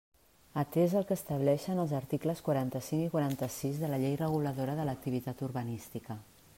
Atés el que estableixen els articles quaranta-cinc i quaranta-sis de la Llei reguladora de l'activitat urbanística.